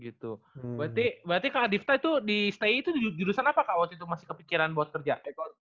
gitu berarti berarti kak adifta itu di sti itu jurusan apa kak waktu itu masih kepikiran buat kerja